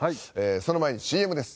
その前にＣＭです。